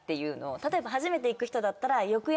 例えば初めて行く人だったら。